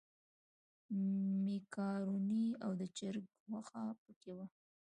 مېکاروني او د چرګ غوښه په کې وه.